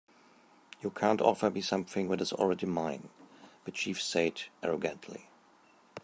"You can't offer me something that is already mine," the chief said, arrogantly.